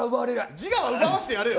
自我は奪わせてやれよ。